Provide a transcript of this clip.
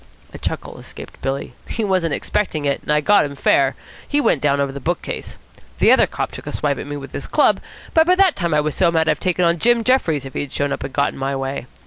A chuckle escaped Billy. "He wasn't expecting it, and I got him fair. He went down over the bookcase. The other cop took a swipe at me with his club, but by that time I was so mad I'd have taken on Jim Jeffries, if he had shown up and got in my way.